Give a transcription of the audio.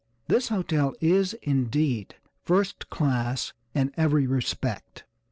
This hotel is, indeed, first class in every respect.